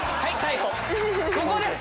ここです！